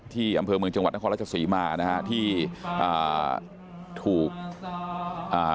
ที่อำเภอเมืองจังหวัดนครราชศรีมานะฮะที่อ่าถูกอ่า